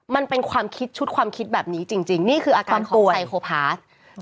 มันเป็นความคิดชุดความคิดแบบนี้จริงนี่คืออาการของไซโคพาส